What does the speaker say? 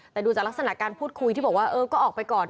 แต่ดูจากลักษณะการพูดคุยที่บอกว่าเออก็ออกไปก่อน